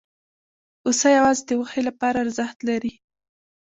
پسه یوازې د غوښې لپاره ارزښت لري.